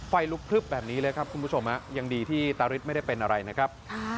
ไฟลุกพลึบแบบนี้เลยครับคุณผู้ชมยังดีที่ตาริสไม่ได้เป็นอะไรนะครับ